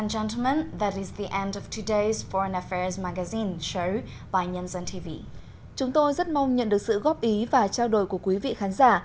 chúng tôi rất mong nhận được sự góp ý và trao đổi của quý vị khán giả